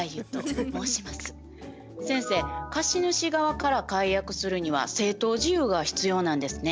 先生貸主側から解約するには正当事由が必要なんですね。